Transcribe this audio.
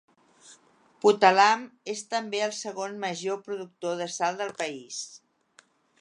Puttalam és també el segon major productor de sal del país.